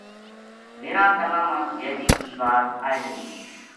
میرا کَنا ں ما جیدی کی واز آئے لگی تھی